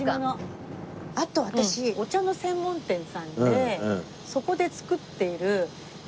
あと私お茶の専門店さんでそこで作っているえーっ！